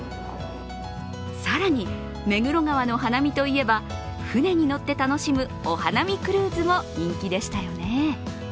更に、目黒川の花見といえば船に乗って楽しむお花見クルーズも人気でしたよね。